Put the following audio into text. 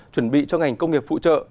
chuẩn bị cho ngành công nghiệp phụ trợ